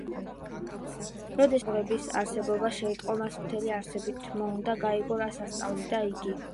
როდესაც ქრისტიანული მოძღვრების არსებობა შეიტყო, მას მთელი არსებით მოუნდა გაეგო, რას ასწავლიდა იგი.